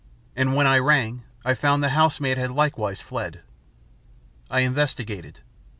And when I rang, I found the housemaid had likewise fled. I investigated.